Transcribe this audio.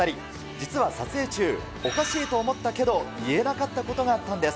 実は撮影中、おかしいと思ったけど、言えなかったことがあったんです。